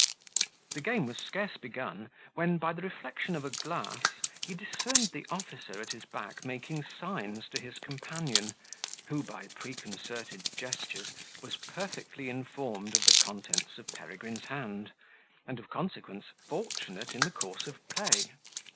The game was scarce begun, when, by the reflection of a glass, he discerned the officer at his back making signs to his companion, who, by preconcerted gestures, was perfectly informed of the contents of Peregrine's hand, and, of consequence, fortunate in the course of play.